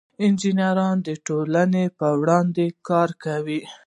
انجینران د ټولنې په وړاندې کار کوي.